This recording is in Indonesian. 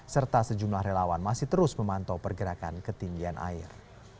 serta sejumlah relawan masih terus memantau pergerakan ketinggian air